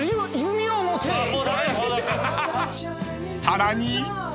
［さらに］